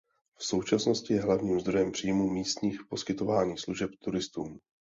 V současnosti je hlavním zdrojem příjmů místních poskytování služeb turistům.